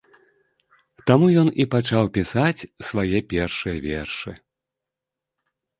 Там ён і пачаў пісаць свае першыя вершы.